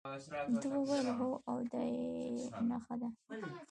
ده وویل هو او دا یې نخښه ده.